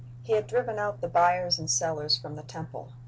He had driven out the buyers and sellers from the temple.